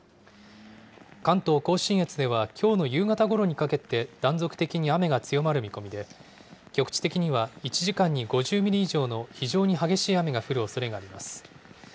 関東甲信越ではきょうの夕方ごろにかけて断続的に雨が強まる見込みで、局地的には、１時間に５０ミリ以上の非常に激しい雨が降るおそれがあります。